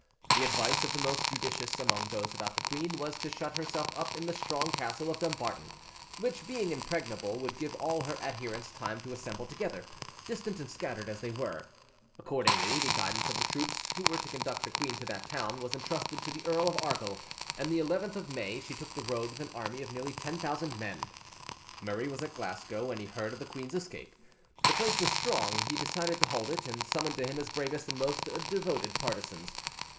The advice of the most judicious among those about the queen was to shut herself up in the strong castle of Dumbarton, which, being impregnable, would give all her adherents time to assemble together, distant and scattered as they were: accordingly, the guidance of the troops who were to conduct the queen to that town was entrusted to the Earl of Argyll, and the 11th of May she took the road with an army of nearly ten thousand men. Murray was at Glasgow when he heard of the queen's escape: the place was strong; he decided to hold it, and summoned to him his bravest and most devoted partisans.